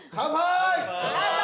乾杯！